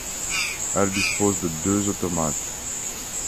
Elle dispose de deux automates.